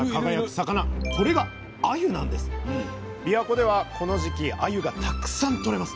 びわ湖ではこの時期あゆがたくさん取れます。